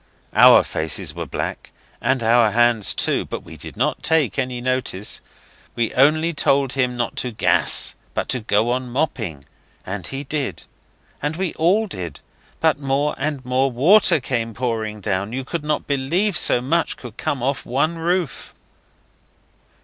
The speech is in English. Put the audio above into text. Our faces were black, and our hands too, but we did not take any notice; we only told him not to gas but to go on mopping. And he did. And we all did. But more and more water came pouring down. You would not believe so much could come off one roof.